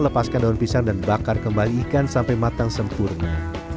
lepaskan daun pisang dan bakar kembali ikan sampai matang sempurna